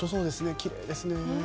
きれいですね。